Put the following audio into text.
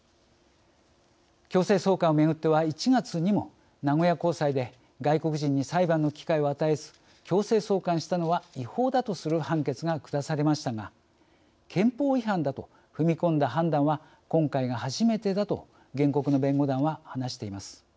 強制送還をめぐっては１月にも名古屋高裁で外国人に裁判の機会を与えず強制送還したのは違法だとする判決が下されましたが憲法違反だと踏み込んだ判断は今回が初めてだと原告の弁護団は話しています。